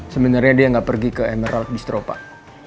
sebenarnya dia nggak pergi ke emerald distro pak